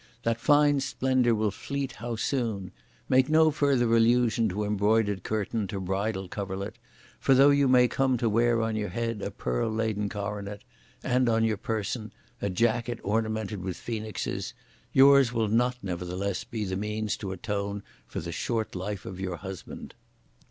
That fine splendour will fleet how soon! Make no further allusion to embroidered curtain, to bridal coverlet; for though you may come to wear on your head a pearl laden coronet, and, on your person, a jacket ornamented with phoenixes, yours will not nevertheless be the means to atone for the short life (of your husband)!